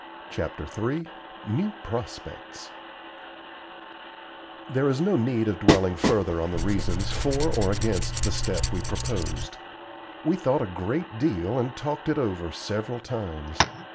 CHAPTER III NEW PROSPECTS There is no need of dwelling further on the reasons for or against the step we proposed. We thought a great deal and talked it over several times.